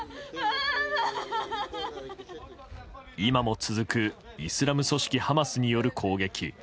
今も続くイスラム組織ハマスによる攻撃。